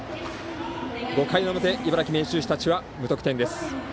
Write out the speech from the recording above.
５回表、茨城、明秀日立は無得点。